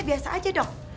biasa aja dong